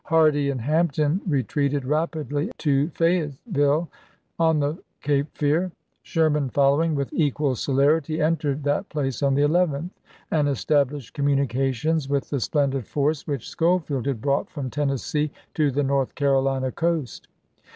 Hardee and Hampton re treated rapidly to Fayetteville, on the Cape Fear ; Sherman following with equal celerity entered that place on the 11th, and established communications with the splendid force which Schofield had brought from Tennessee to the North Carolina coast.